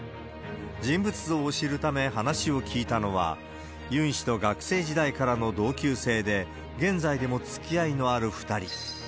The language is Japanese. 人物像を知るため話を聞いたのは、ユン氏と学生時代からの同級生で、現在でもつきあいのある２人。